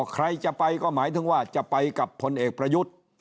ใครจะไปก็หมายถึงว่าจะไปกับพลเอกประยุทธ์